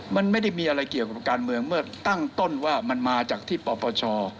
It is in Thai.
มันไม่ได้มีอะไรเกี่ยวกับการเมืองเมื่อตั้งต้นว่ามันมาจากที่ปปช